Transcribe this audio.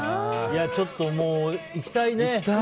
ちょっと、もう行きたいね。